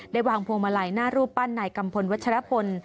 วางพวงมาลัยหน้ารูปปั้นนายกัมพลวัชรพล